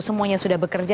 semuanya sudah bekerja